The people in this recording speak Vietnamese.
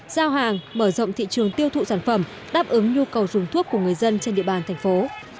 giao hàng mở rộng thị trường tiêu thụ sản phẩm đáp ứng nhu cầu dùng thuốc của người dân trên địa bàn thành phố